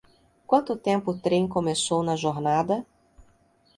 Quanto tempo o trem começou na jornada?